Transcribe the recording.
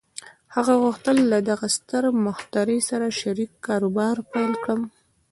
هغه غوښتل له دغه ستر مخترع سره شريک کاروبار پيل کړي.